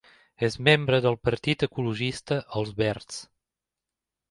És membre del partit ecologista Els Verds.